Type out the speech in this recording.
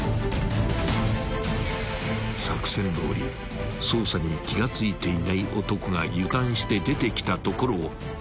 ［作戦どおり捜査に気が付いていない男が油断して出てきたところを無事確保］